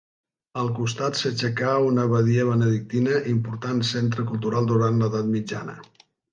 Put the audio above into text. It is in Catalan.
Al costat s'aixecà una abadia benedictina, important centre cultural durant l'Edat mitjana.